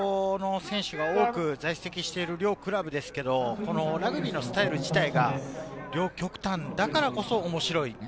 日本代表の選手が多く在籍している両クラブですけれどラグビーのスタイル自体が両極端、だからこそ面白い。